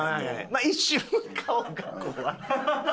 まあ一瞬顔が。